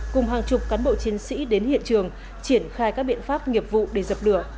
cùng hàng chục cán bộ chiến sĩ đến hiện trường triển khai các biện pháp nghiệp vụ để dập lửa